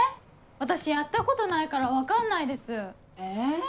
私やったことないから分かんないです！え？